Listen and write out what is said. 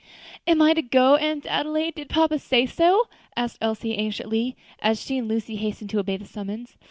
"Am I to go, Aunt Adelaide? did papa say so?" asked Elsie anxiously, as she and Lucy hastened to obey the summons.